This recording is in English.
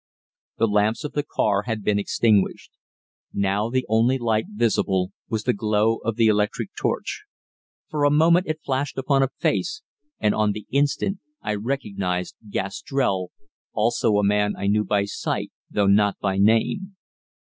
The lamps of the car had been extinguished. Now the only light visible was the glow of the electric torch. For a moment it flashed upon a face, and on the instant I recognized Gastrell, also a man I knew by sight though not by name.